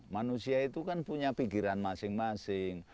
manusia itu kan punya pikiran masing masing